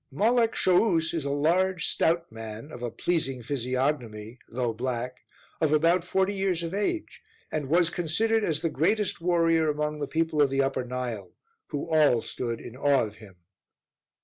Malek Shouus is a large stout man, of a pleasing physiognomy though black, of about forty years of age, and was considered as the greatest warrior among the people of the Upper Nile, who all stood in awe of him.